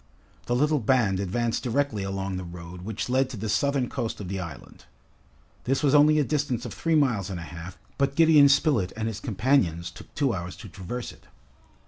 The little band advanced directly along the road which led to the southern coast of the island. This was only a distance of three miles and a half, but Gideon Spilett and his companions took two hours to traverse it.